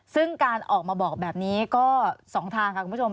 ซึ่งการออกมาบอกแบบนี้ก็๒ทางค่ะคุณผู้ชม